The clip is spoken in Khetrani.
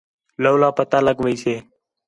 لَولا پتہ لڳ ویسے